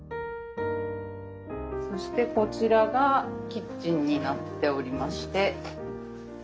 そしてこちらがキッチンになっておりまして。